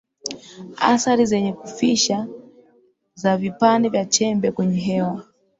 Athari zenye Kufisha za Vipande vya Chembe kwenye Hewa